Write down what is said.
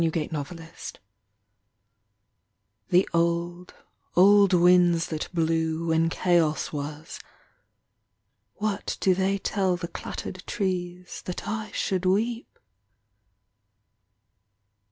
NIGHT WINDS The old Old winds that blew When chaos was, what do They tell the clattered trees that I Should weep?